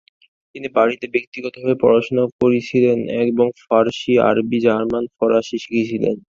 তিনি বাড়িতে ব্যক্তিগতভাবে পড়াশোনা করেছিলেন এবং ফারসি, আরবি, জার্মান, ফরাসি শিখেছিলেন।